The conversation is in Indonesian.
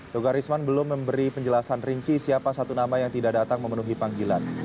toga risman belum memberi penjelasan rinci siapa satu nama yang tidak datang memenuhi panggilan